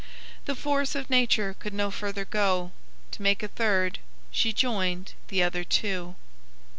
The force of nature could no further go; To make a third she joined the other two."